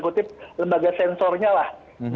kutip lembaga sensornya lah